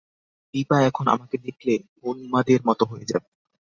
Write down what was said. দিপা এখন আমাকে দেখলে উন্মাদের মতো হয়ে যাবে।